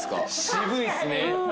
渋いですね。